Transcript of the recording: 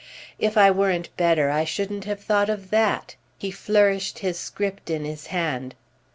"If I weren't better I shouldn't have thought of that!" He flourished his script in his hand.